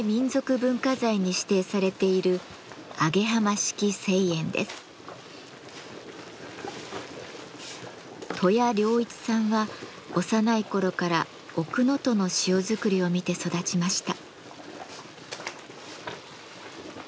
文化財に指定されている登谷良一さんは幼い頃から奥能登の塩作りを見て育ちました。